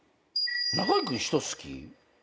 中居君人好き？